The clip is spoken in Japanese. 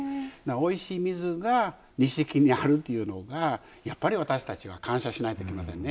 おいしい水が錦にあるということをやっぱり私たちは感謝しないといけませんね。